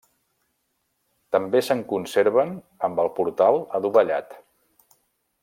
També se'n conserven amb el portal adovellat.